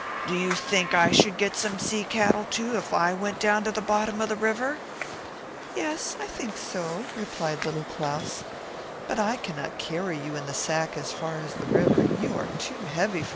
"Do you think I should get any sea cattle if I went down to the bottom of the river?" "Yes, I think so," said Little Claus; "but I cannot carry you there in a sack, you are too heavy.